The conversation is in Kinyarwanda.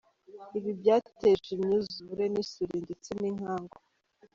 Ibi byateje imyuzure n’isuri ndetse n’inkangu ».